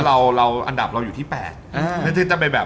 แล้วอันดับเราอยู่ที่๘